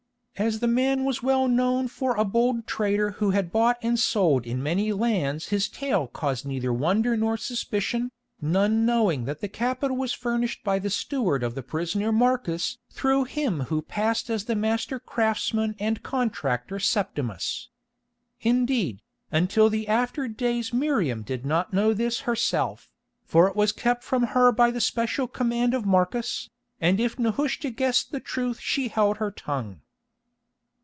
As the man was well known for a bold trader who had bought and sold in many lands his tale caused neither wonder nor suspicion, none knowing that the capital was furnished by the steward of the prisoner Marcus through him who passed as the master craftsman and contractor Septimus. Indeed, until the after days Miriam did not know this herself, for it was kept from her by the special command of Marcus, and if Nehushta guessed the truth she held her tongue.